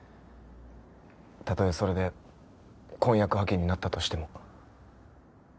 たとえそれで婚約破棄になったとしても。